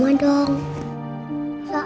jadi malah pak